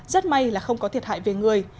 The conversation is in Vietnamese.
rất may là không có thiệt hại về người